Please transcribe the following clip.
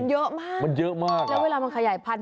เยอะมากมันเยอะมากแล้วเวลามันขยายพันธุ